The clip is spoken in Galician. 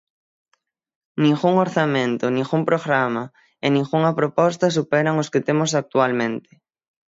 Ningún orzamento, ningún programa, e ningunha proposta superan os que temos actualmente.